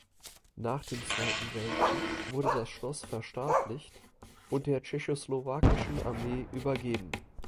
Nach dem Zweiten Weltkrieg wurde das Schloss verstaatlicht und der Tschechoslowakischen Armee übergeben.